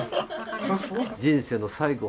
人生の最期